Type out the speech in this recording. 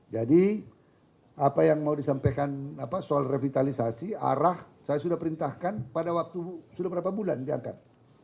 jadi apa yang mau disampaikan apa soal revitalisasi arah saya sudah perintahkan pada waktu sudah berapa bulan diangkat